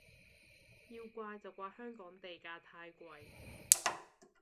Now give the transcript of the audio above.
要怪就怪香港地價太貴